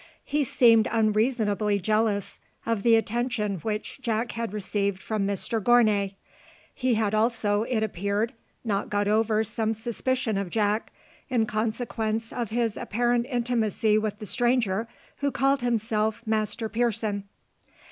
He seemed unreasonably jealous of the attention which Jack had received from Mr Gournay. He had also, it appeared, not got over some suspicion of Jack, in consequence of his apparent intimacy with the stranger who called himself Master Pearson.